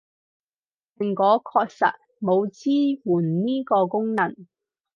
蘋果確實冇支援呢個功能